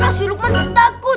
pak d si lukman takut